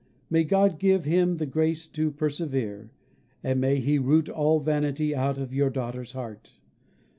May God give him the grace to persevere, and may he root all vanity out of your daughter's heart.